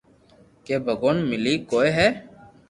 ڪي ڀگوان ملي ڪوئي ھي